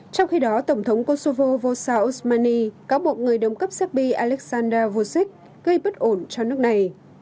trong khi đó tổng thống kosovo vosa osmani cáo buộc người đồng cấp shekpi aleksandar vucic gây bất ổn cho nước này